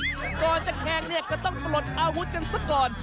เหุ้ยก่อนจะแครงเนี่ยก็ต้องปลดอาวุธกันสักก่อน